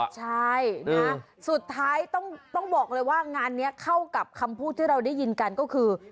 ใช่นะสุดท้ายต้องบอกเลยว่างานนี้เข้ากับคำพูดที่เราได้ยินกันก็คือ